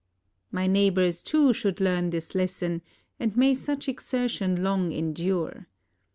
My neighbors too should learn this lesson; and may such exertion long endure!